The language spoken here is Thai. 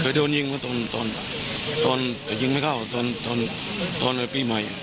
เคยโดนยิงตอนแต่ยิงไม่เข้าเธอโดนตำรวจยิงปีไม่